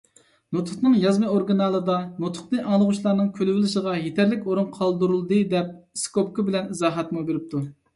نۇتۇقنىڭ يازما ئورىگىنالىدا «نۇتۇقنى ئاڭلىغۇچىلارنىڭ كۈلۈۋېلىشىغا يېتەرلىك ئورۇن قالدۇرۇلدى» دەپ ئىسكوپكا بىلەن ئىزاھاتمۇ بېرىپتۇ.